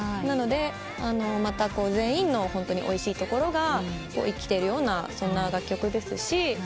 なのでまた全員のおいしいところが生きてるようなそんな楽曲ですし。